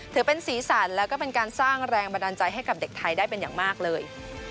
ถือเป็นสีสันแล้วก็เป็นการสร้างแรงบันดาลใจให้กับเด็กไทยได้เป็นอย่างมากเลย